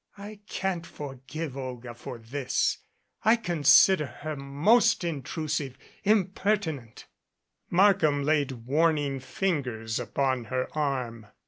"I can't forgive Olga for this. I consider her most intrusive, impertinent " Markham had laid warning fingers upon her arm.